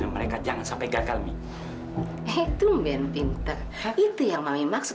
mami asal mami capek